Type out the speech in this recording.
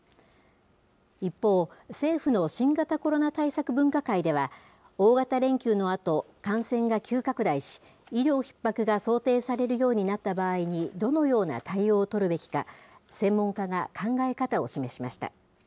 一方、政府の新型コロナ対策分科会では、大型連休のあと感染が急拡大し、医療ひっ迫が想定されるようになった場合に、どのような対応を取るべきか、専門家が考え方を示しました。